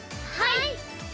はい！